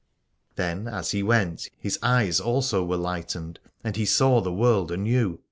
Then as he went his eyes also were light 179 Aladore ened, and he saw the world anew.